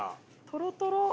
とろとろ！